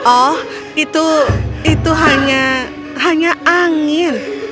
oh itu itu hanya hanya angin